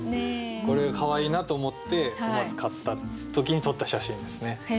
これがかわいいなと思って思わず買った時に撮った写真ですね。